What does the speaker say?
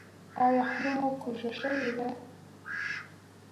ایا خوله مو کوږه شوې ده؟